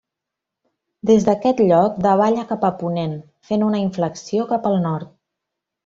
Des d'aquest lloc davalla cap a ponent, fent una inflexió cap al nord.